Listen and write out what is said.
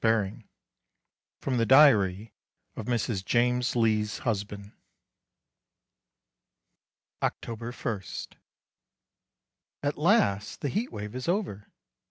VII FROM THE DIARY OF MRS JAMES LEE'S HUSBAND October 1. At last the heat wave is over.